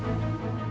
lo mau kemana